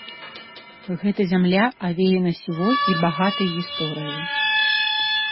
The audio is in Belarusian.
Гэта зямля авеяна сівой і багатай гісторыяй.